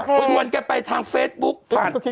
โอเคชวนกันไปทางเฟซบุ๊กกันเจอรู้จักฝ่ายติ๊กต๊อก